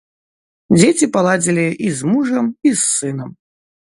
Дзеці паладзілі і з мужам, і з сынам.